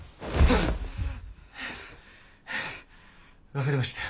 分かりました。